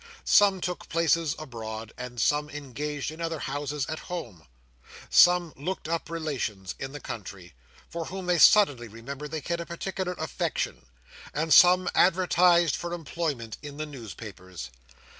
Some took places abroad, and some engaged in other Houses at home; some looked up relations in the country, for whom they suddenly remembered they had a particular affection; and some advertised for employment in the newspapers.